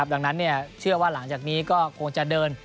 ดังนั้นเชื่อว่าหลังจากนี้ก็คงจะเดิน